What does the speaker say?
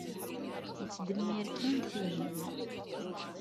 Nettdemmir kan tihin.